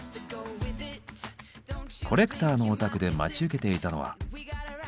コレクターのお宅で待ち受けていたのは。